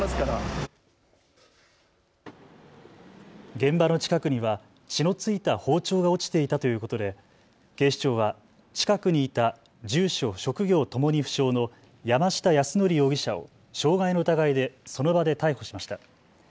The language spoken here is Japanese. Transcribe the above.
現場の近くには血の付いた包丁が落ちていたということで警視庁は近くにいた住所・職業ともに不詳の山下泰範容疑者を傷害の疑いでその場で逮捕しました。